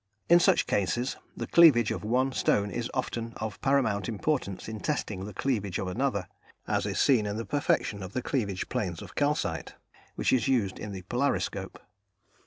In such cases the cleavage of one stone is often of paramount importance in testing the cleavage of another, as is seen in the perfection of the cleavage planes of calcite, which is used in the polariscope.